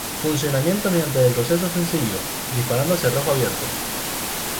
Funciona mediante retroceso sencillo, disparando a cerrojo abierto.